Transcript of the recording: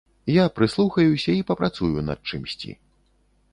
Я прыслухаюся і папрацую над чымсьці.